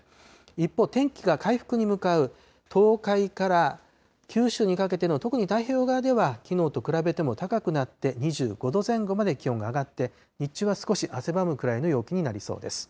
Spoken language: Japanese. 一方、天気が回復に向かう東海から九州にかけての特に太平洋側では、きのうと比べても高くなって、２５度前後まで気温が上がって、日中は少し汗ばむくらいの陽気になりそうです。